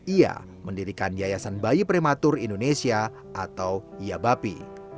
ia mendirikan yayasan bayi prematur indonesia atau iabapi